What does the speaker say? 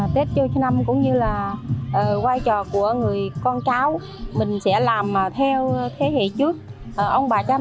tết là một ngày đáng kính trả lời lại giúp chúng con khám